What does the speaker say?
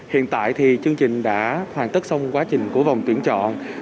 hiện tại thì chương trình đã hoàn tất xong quá trình của vòng tuyển chọn